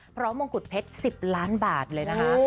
มงกุฎเพชร๑๐ล้านบาทเลยนะคะ